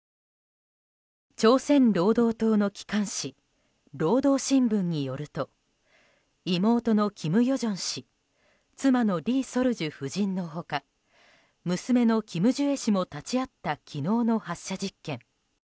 朝鮮労働党の機関紙労働新聞によると妹の金与正氏妻のリ・ソルジュ夫人の他娘のキム・ジュエ氏も立ち会った昨日の発射実験。